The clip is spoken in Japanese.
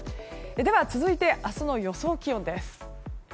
では続いて明日の予想気温です。